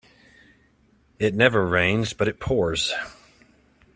It never rains but it pours.